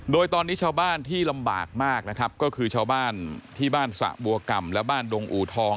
โดยตอนนี้ชาวบ้านที่ลำบากมากนะครับก็คือชาวบ้านที่บ้านสะบัวก่ำและบ้านดงอูทอง